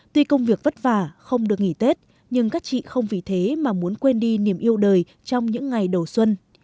tuy công việc vất vả không được nghỉ tết nhưng các chị không vì thế mà muốn quên đi niềm yêu đời trong những ngày đầu xuân